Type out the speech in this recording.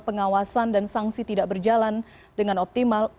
pengawasan dan sanksi tidak berjalan dengan optimal